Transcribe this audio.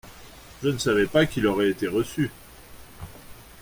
Je ne savais pas qu’il aurait été reçu.